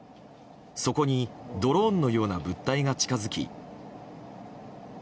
そこにドローンのような物体が近づき。